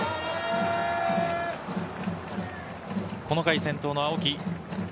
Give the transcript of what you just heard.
この回、先頭の青木。